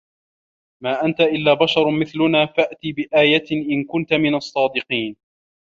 ما أَنتَ إِلّا بَشَرٌ مِثلُنا فَأتِ بِآيَةٍ إِن كُنتَ مِنَ الصّادِقينَ